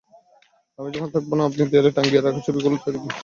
আমি যখন থাকব না, আপনি দেয়ালে টাঙিয়ে রাখা আমার ছবিটা দেখবেন।